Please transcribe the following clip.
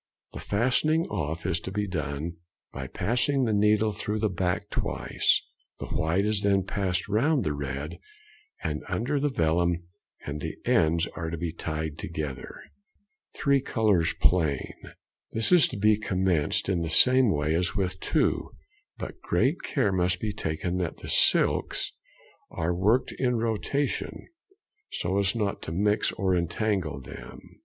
The fastening off is to be done by passing the needle through the back twice, the white is then passed round the red and under the vellum, and the ends are to be tied together. Three Colours Plain.—This is to be commenced in the same way as with two, but great care must be taken that the silks are worked in rotation so as not to mix or entangle them.